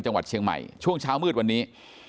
จังหวัดเชียงใหม่ช่วงเช้ามืดวันนี้